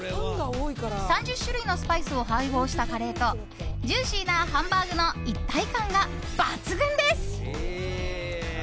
３０種類のスパイスを配合したカレーとジューシーなハンバーグの一体感が抜群です。